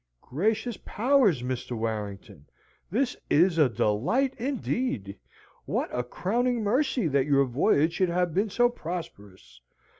"Gracious powers, Mr. Warrington! This is a delight, indeed! What a crowning mercy that your voyage should have been so prosperous!